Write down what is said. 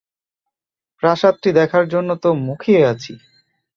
প্রাসাদটি দেখার জন্য তো মুখিয়ে আছি।